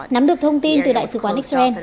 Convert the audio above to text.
nắm được thông tin từ đại sứ quán israel